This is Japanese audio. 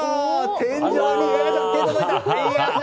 天井に手が届いた！